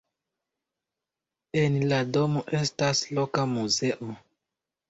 En la domo estas loka muzeo.